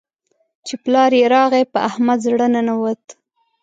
چې پلار يې راغی؛ په احمد زړه ننوت.